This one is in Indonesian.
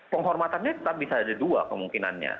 penghormatannya tetap bisa ada dua kemungkinannya